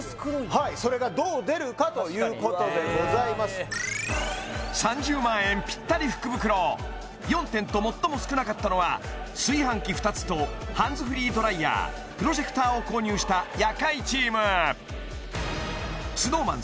はい３０万円ぴったり福袋４点と最も少なかったのは炊飯器２つとハンズフリードライヤープロジェクターを購入した夜会チームＳｎｏｗＭａｎ